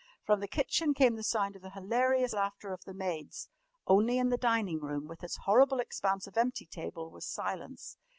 From the kitchen came the sound of the hilarious laughter of the maids. Only in the dining room, with its horrible expanse of empty table, was silence.